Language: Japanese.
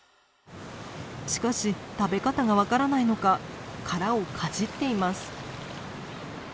しかし食べ方が分からないのか殻をかじっています。